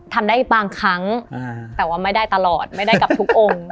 ทำได้บางครั้งแต่ว่าไม่ได้ตลอดไม่ได้กับทุกองค์